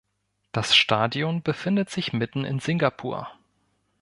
Das Stadion befindet sich mitten in Singapur.